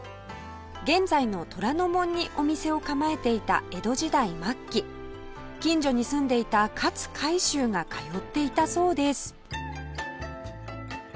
現在の虎ノ門にお店を構えていた江戸時代末期近所に住んでいた勝海舟が通っていたそうです